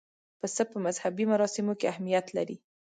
پسه په مذهبي مراسمو کې اهمیت لري.